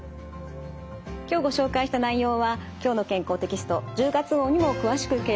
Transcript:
今日ご紹介した内容は「きょうの健康」テキスト１０月号にも詳しく掲載されています。